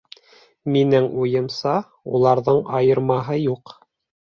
Минең уйымса, уларҙың айырмаһы юҡ..